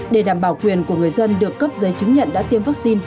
để đảm bảo quyền của người dân được cấp giấy chứng nhận đã tiêm vaccine